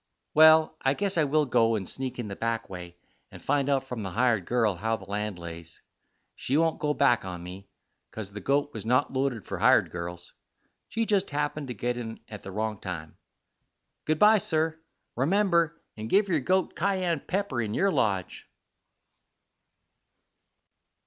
Well, I guess I will go and sneak in the back way, and find out from the hired girl how the land lays. She won't go back on me, 'cause the goat was not loaded for hired girls. She just happened to get in at the wrong time. Good by, sir. Remember and give your goat kyan pepper in your lodge."